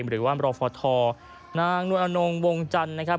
หรือว่ามรฟทนางนวลอนงวงจันทร์นะครับ